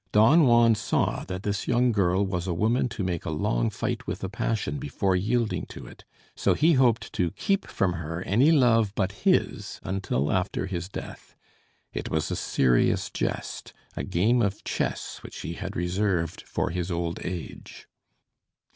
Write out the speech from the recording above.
Don Juan saw that this young girl was a woman to make a long fight with a passion before yielding to it, so he hoped to keep from her any love but his until after his death. It was a serious jest, a game of chess which he had reserved for his old age.